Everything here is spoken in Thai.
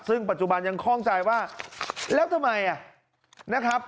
ซึ่งปัจจุบันยังคล่องใจว่าแล้วทำไมนะครับ